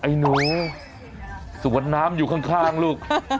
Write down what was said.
หนูสวนน้ำอยู่ข้างลูก